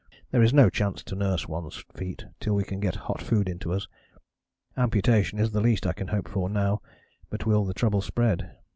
There is no chance to nurse one's feet till we can get hot food into us. Amputation is the least I can hope for now, but will the trouble spread?